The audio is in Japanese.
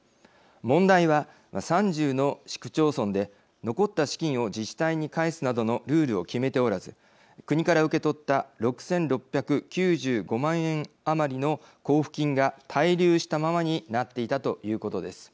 問題は３０の市区町村で残った資金を自治体に返すなどのルールを決めておらず国から受け取った６，６９５万円余りの交付金が滞留したままになっていたということです。